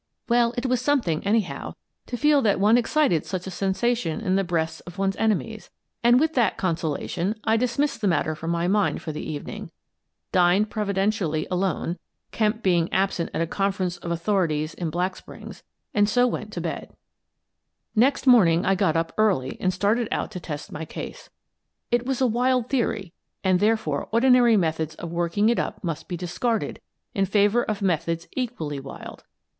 Well, it was something, anyhow, to feel that one excited such a sensation in the breasts of one's enemies, and, with that consolation, I dismissed the matter from my mind for the evening, dined provi dentially alone — Kemp being absent at a confer ence of authorities in Black Springs — and so went to bed Next morning I got up early and started out to test my case. It was a wild theory, and, therefore, ordinary methods of working it up must be dis carded in favour of methods equally wild.